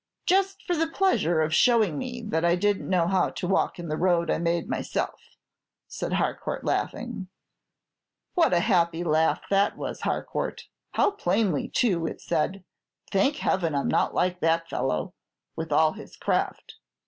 "Just for the pleasure of showing me that I did n't know how to walk in the road I made myself," said Harcourt, laughing. "What a happy laugh that was, Harcourt! How plainly, too, it said, 'Thank Heaven I 'm not like that fellow, with all his craft!'